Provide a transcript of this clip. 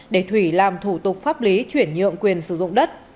để thủy làm thủ tục pháp lý chuyển nhượng quyền sử dụng đất